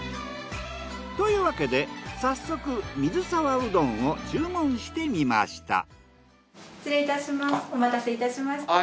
というわけで早速失礼いたします。